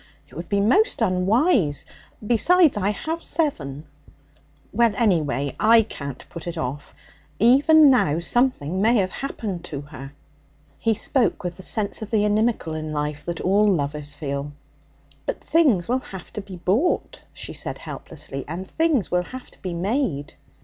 It would be most unwise. Besides, I have seven.' 'Well, anyway, I can't put it off. Even now something may have happened to her.' He spoke with the sense of the inimical in life that all lovers feel. 'But things will have to be bought,' she said helplessly, 'and things will have to be made.'